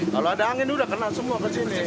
kalau ada angin udah kena semua ke sini